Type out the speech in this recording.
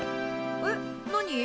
えっ何？